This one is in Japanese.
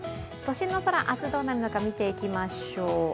都心の空、明日どうなるのか見ていきましょう。